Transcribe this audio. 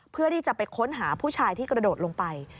เพื่อที่จะไปค้นหาผู้ชายที่กระโดดลงไป